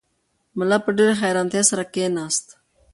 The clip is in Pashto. ملا په ډېرې حیرانتیا سره کښېناست.